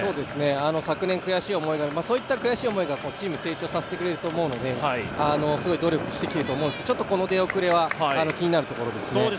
昨年悔しい思い、そういった悔しい思いがチームを成長させてくれるのですごい努力してきていると思うんです、ちょっとこの出遅れは気になるところですね。